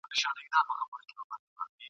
له کوم زکاته به موږ خېټه د مُلا ډکوو ..